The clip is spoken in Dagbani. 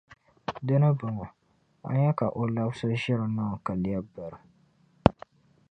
Di ni bɔŋɔ, a nya ka o labisi ʒiri niŋ ka lԑbi biri.